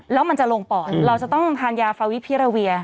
แล้วมันจะลงปอดเราจะต้องทานยาฟาวิพิราเวีย